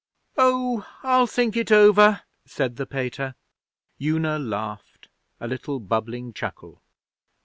'Oh! I'll think it over,' said the Pater. Una laughed a little bubbling chuckle.